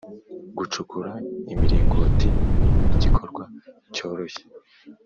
Gucukura imiringoti ni igikorwa cyoroshye